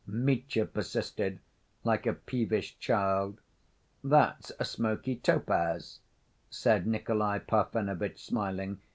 Mitya persisted, like a peevish child. "That's a smoky topaz," said Nikolay Parfenovitch, smiling.